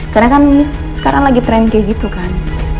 karena kan sekarang lagi tren kayak gitu kan